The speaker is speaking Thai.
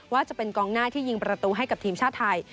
ว่าจะเป็นกองหน้าที่ยิงประตูให้กับทีมชาติไทย